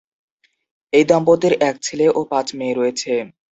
এই দম্পতির এক ছেলে ও পাঁচ মেয়ে রয়েছে।